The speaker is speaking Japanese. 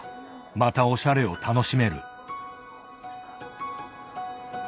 またおしゃれを楽しめる。